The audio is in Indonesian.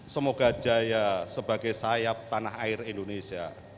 semoga jaya sebagai sayap tanah air indonesia